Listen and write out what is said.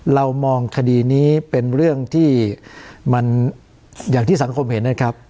เรามองคดีนี้เป็นเรื่องที่มันอย่างที่สังคมเห็นนะครับ